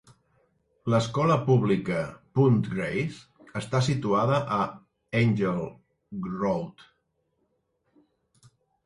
L'Escola Pública Punt Grays està situada a Angle Road.